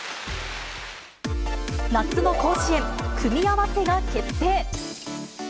夏の甲子園、組み合わせが決定。